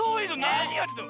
なにやってたの？